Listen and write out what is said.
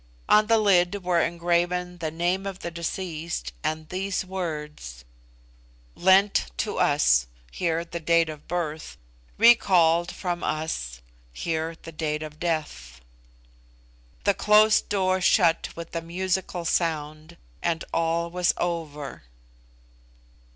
On the lid were engraven the name of the deceased, and these words: "Lent to us" (here the date of birth). "Recalled from us" (here the date of death). The closed door shut with a musical sound, and all was over.